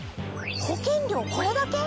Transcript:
保険料これだけ？